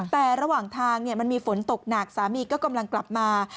แต่ระหว่างทางมันมีฝนตกหนักสามีก็กำลังกลับมา